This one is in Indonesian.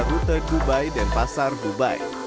rute dubai dan pasar dubai